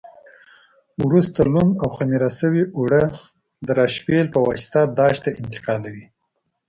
وروسته لمد او خمېره شوي اوړه د راشپېل په واسطه داش ته انتقالوي.